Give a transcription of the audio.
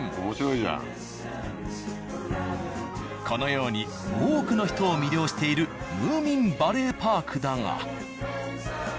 このように多くの人を魅了しているムーミンバレーパークだが。